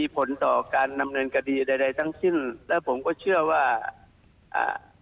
ปฤติกรรมของเด็กพวกเนี่ยจะเป็นพฤติกรรมที่ติดตัวเด็กเอง